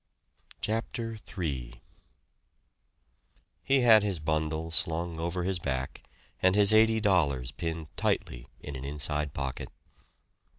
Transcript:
CHAPTER III He had his bundle slung over his back and his eighty dollars pinned tightly in an inside pocket.